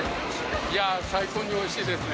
いや、最高においしいですね。